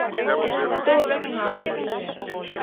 Todo ben en Auria.